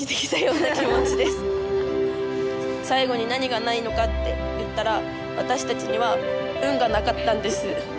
最後に何がないのかっていったら私たちには運がなかったんです。